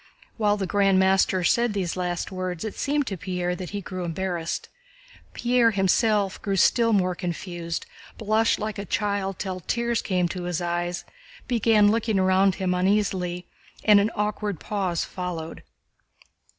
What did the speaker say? While the Grand Master said these last words it seemed to Pierre that he grew embarrassed. Pierre himself grew still more confused, blushed like a child till tears came to his eyes, began looking about him uneasily, and an awkward pause followed.